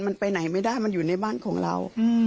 มันไปไหนไม่ได้มันอยู่ในบ้านของเรา